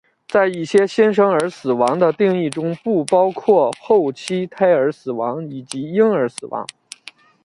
在一些新生儿死亡的定义中不包括后期胎儿死亡以及婴儿死亡。